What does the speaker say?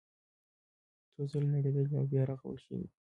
څو ځله نړېدلي او بیا رغول شوي دي.